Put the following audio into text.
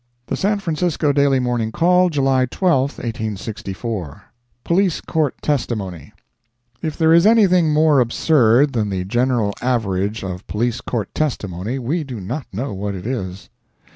The San Francisco Daily Morning Call, July 12, 1864 POLICE COURT TESTIMONY If there is anything more absurd than the general average of Police Court testimony, we do not know what it is.